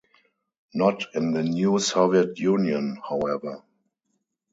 Not in the new Soviet Union, however.